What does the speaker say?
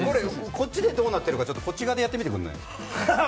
こっちでどうなってるか、こっち側でやってみてくれない？